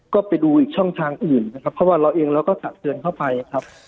ก็ไปดูอีกช่องทางอื่นนะครับเพราะว่าเราเองเราก็ตักเตือนเข้าไปครับ